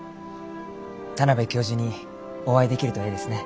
田邊教授にお会いできるとえいですね。